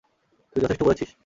তুই যথেষ্ট করেছিস।